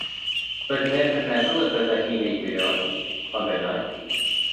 Doedd neb yn meddwl y byddai hi'n ei briodi, ond fe wnaeth hi.